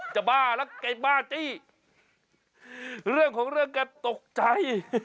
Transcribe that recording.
บ้าแล้วแกบ้าจี้เรื่องของเรื่องแกตกใจ